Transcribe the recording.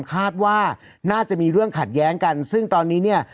คาดว่าน่าจะมีเรื่องขัดแย้งกันซึ่งตอนนี้เนี่ย